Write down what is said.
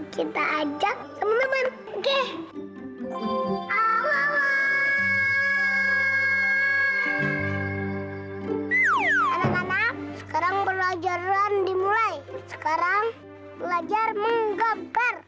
kita ajak teman teman oke awal awal sekarang pelajaran dimulai sekarang belajar menggeber